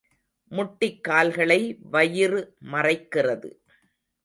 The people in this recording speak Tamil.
முட்டிக் கால்களை வயிறு மறைக்கிறது.